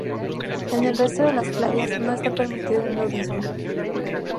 En el resto de las playas no está permitido el nudismo.